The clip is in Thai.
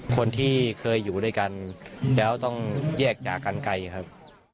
คนที่เคยอยู่ด้วยกันแล้วต้องแยกจากกันไกลครับ